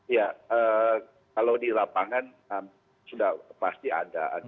ya kalau di lapangan sudah pasti ada